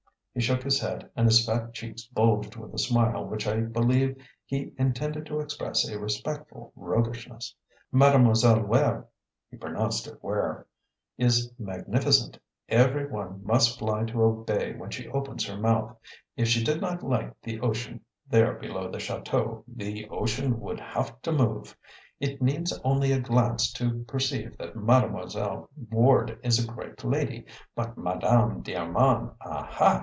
He shook his head and his fat cheeks bulged with a smile which I believe he intended to express a respectful roguishness. "Mademoiselle Ward" (he pronounced it "Ware") "is magnificent; every one must fly to obey when she opens her mouth. If she did not like the ocean there below the chateau, the ocean would have to move! It needs only a glance to perceive that Mademoiselle Ward is a great lady but MADAME D'ARMAND! AHA!"